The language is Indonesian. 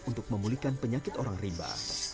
untuk memulihkan penyakit orang rimba